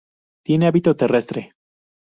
Tiene hábito terrestre.